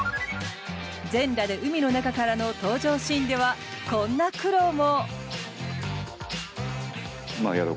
全裸で海の中からの登場シーンでは、こんな苦労も。